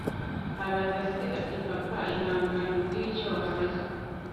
abaza se ati papa, ihangane umbwire icyo wabaye